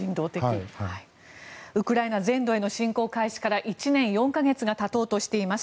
ウクライナ全土への侵攻開始から１年４か月が経とうとしています。